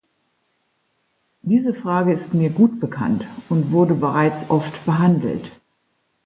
Diese Frage ist mir gut bekannt und wurde bereits oft behandelt.